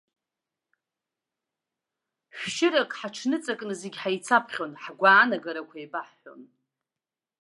Шәшьырак ҳаҽныҵакны зегь ҳаицаԥхьон, ҳгәаанагарақәа еибаҳҳәон.